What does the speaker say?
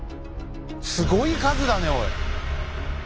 すごい数だねおい！